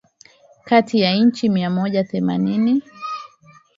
kati ya nchi mia moja themanini